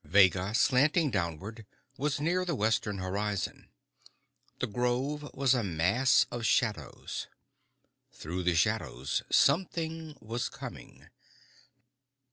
Vega, slanting downward, was near the western horizon. The grove was a mass of shadows. Through the shadows something was coming.